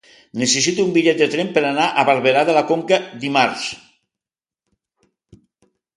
Necessito un bitllet de tren per anar a Barberà de la Conca dimarts.